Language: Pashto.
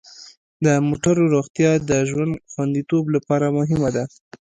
د موټرو روغتیا د ژوند خوندیتوب لپاره مهمه ده.